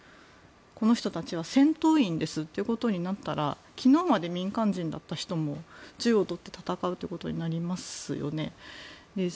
この人たちは戦闘員ですということになったら昨日まで民間人だった人も銃を取って戦うことになりますよね。